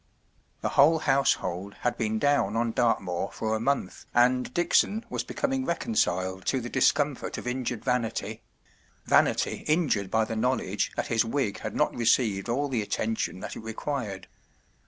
The whole household had been down on Dartmoor for a month, and Dickson was becoming reconciled to the discomfort of injured vanity—vanity injured by the know¬ ledge that his wig had not received all the attention that it required.